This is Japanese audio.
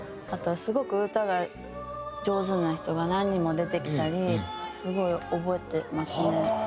あとすごく歌が上手な人が何人も出てきたりすごい覚えてますね。